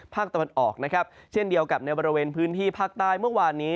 ภาคตะวันออกนะครับเช่นเดียวกับในบริเวณพื้นที่ภาคใต้เมื่อวานนี้